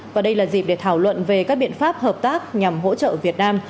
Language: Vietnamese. và đây là dịp để thảo luận về các biện pháp hợp tác nhằm hỗ trợ việt nam